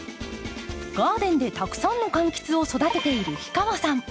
ガーデンでたくさんの柑橘を育てている氷川さん。